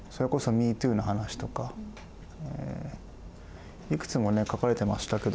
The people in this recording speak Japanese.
ＭｅＴｏｏの話とかいくつもね書かれてましたけど。